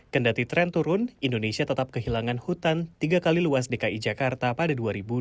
kendati tren turun indonesia tetap kehilangan hutan tiga kali luas dki jakarta pada dua ribu dua puluh